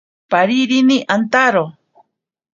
Parinini antaro.